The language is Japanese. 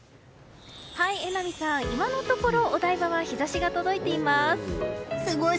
榎並さん、今のところお台場は日差しが届いています。